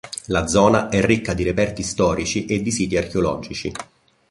La zona è ricca di reperti storici e di siti archeologici.